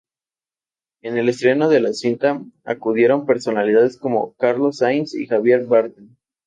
En el estreno de la cinta acudieron personalidades como Carlos Sainz y Javier Bardem.